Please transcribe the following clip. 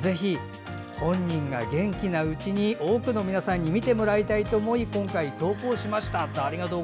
ぜひ本人が元気なうちに多くの皆さんに見てもらいたいと思い投稿しましたと。